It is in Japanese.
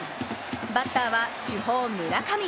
バッター主砲・村上。